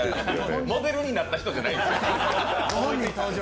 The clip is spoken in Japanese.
モデルになった人じゃないんですよ。